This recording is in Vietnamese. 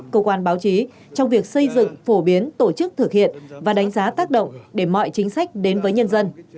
cơ quan báo chí trong việc xây dựng phổ biến tổ chức thực hiện và đánh giá tác động để mọi chính sách đến với nhân dân